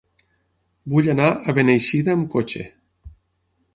Vull anar a Beneixida amb cotxe.